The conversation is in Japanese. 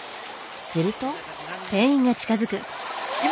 すると。